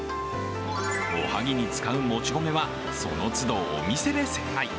おはぎに使うもち米は、その都度お店で精米。